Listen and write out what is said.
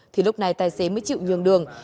thì lúc này tài xế mới chịu nhường đường